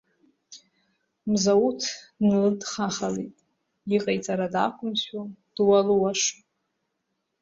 Мзауҭ дналыдхахалеит, иҟаиҵара дақәымшәо, дуалуашо…